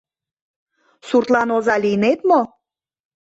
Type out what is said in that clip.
Суртлан оза лийнет мо?!